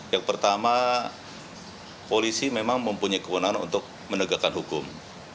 yang pertama polisi memang mempunyai kewenangan untuk menegakkan hukum